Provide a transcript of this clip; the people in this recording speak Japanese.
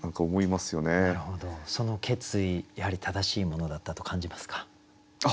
その決意やはり正しいものだったと感じますか？